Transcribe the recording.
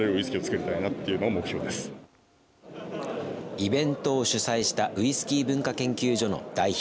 イベントを主催したウイスキー文化研究所の代表